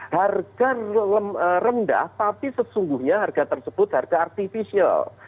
harga rendah tapi sesungguhnya harga tersebut harga artificial